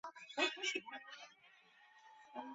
强针网虫为孔盘虫科针网虫属的动物。